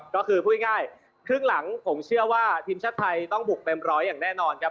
ก็คือพูดอย่างง่ายครึ่งหลังผมเชื่อว่าทีมชาติไทยไปบุกเต็มร้อยแน่นอนครับ